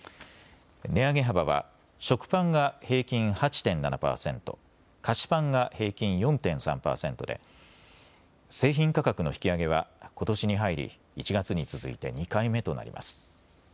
値上げ幅は食パンが平均８．７％、菓子パンが平均４．３％で製品価格の引き上げはことしに入り１月に続いて２回目となります。